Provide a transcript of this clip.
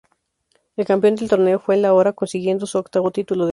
El campeón del torneo fue el Aurora, consiguiendo su octavo título de liga.